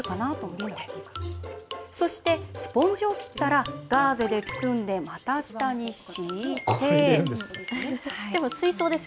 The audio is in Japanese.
そしてスポンジを切ったらガーゼで包んで股下に敷いて。